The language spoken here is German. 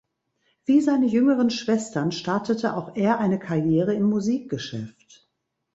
Wie seine jüngeren Schwestern startete auch er eine Karriere im Musikgeschäft.